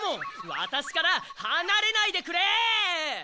ワタシからはなれないでくれ！